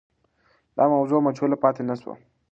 دا موضوع مجهوله پاتې نه سوه.